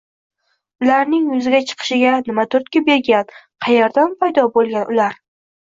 Ularning yuzaga chiqishiga nima turtki bergan, qayerdan paydo boʻlgan ular